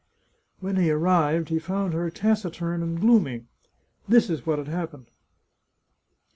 When he arrived, he found her taciturn and gloomy. This is what had happened.